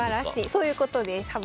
そういうことですか？